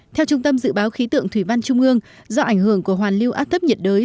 theo trung tâm dự báo khí tượng thủy văn trung ương do ảnh hưởng của hoàn lưu áp thấp nhiệt đới